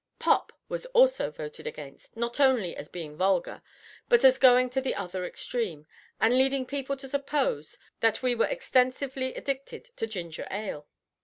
"Pop" was also voted against, not only as being vulgar, but as going to the other extreme, and leading people to suppose that we were extensively addicted to ginger ale.